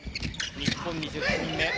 日本に１０点目。